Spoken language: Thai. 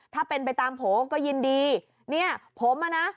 ถ้าเป็นไปตามโผล่ก็ยินดีเนี่ยผมอ่ะนะ